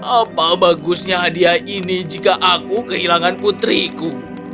apa yang bagus dari hadiah ini jika aku kehilangan putriku